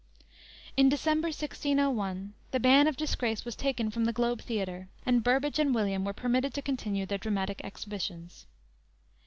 In December, 1601, the ban of disgrace was taken from the Globe Theatre, and Burbage and William were permitted to continue their dramatic exhibitions.